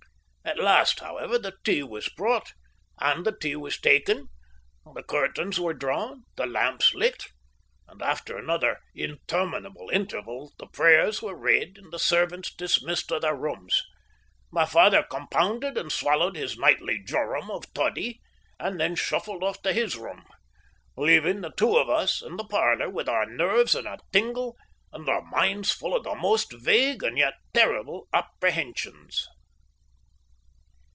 At last, however, the tea was brought, and the tea was taken, the curtains were drawn, the lamps lit, and after another interminable interval the prayers were read and the servants dismissed to their rooms. My father compounded and swallowed his nightly jorum of toddy, and then shuffled off to his room, leaving the two of us in the parlour with our nerves in a tingle and our minds full of the most vague and yet terrible apprehensions.